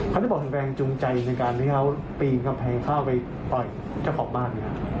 คุณบอกถึงแปลงจูงใจในการที่เขาปีนกำแพงเข้าไปปล่อยเจ้าของบ้านนะครับ